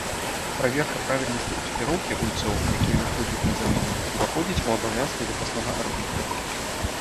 Праверка правільнасці экіпіроўкі гульцоў, якія выходзяць на замену, уваходзіць у абавязкі запаснога арбітра.